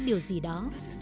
điều gì đó